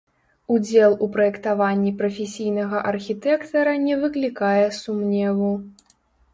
Удзел у праектаванні прафесійнага архітэктара не выклікае сумневу.